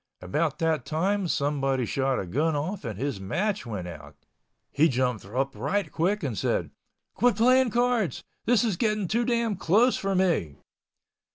About that time somebody shot a gun off and his match went out. He jumped up right quick and said, "Quit playing cards. This is getting too damn close for me!"